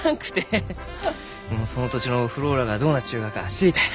その土地のｆｌｏｒａがどうなっちゅうがか知りたい。